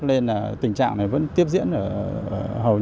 nên tình trạng này vẫn tiếp diễn ở hầu như toàn bộ các quỹ trí